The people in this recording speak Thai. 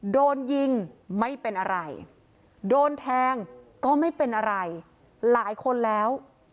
โดนยิงไม่เป็นอะไรโดนแทงก็ไม่เป็นอะไรหลายคนแล้ว